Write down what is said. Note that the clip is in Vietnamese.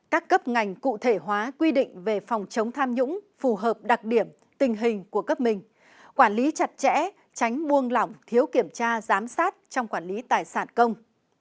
các cấp ngành cụ thể hóa quy định về phòng chống tham nhũng phù hợp đặc điểm tình hình của cấp mình quản lý chặt chẽ tránh buông lỏng thiếu kiểm tra giám sát trong quản lý tài sản công